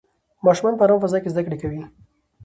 ماشومان په ارامه فضا کې زده کړې کوي.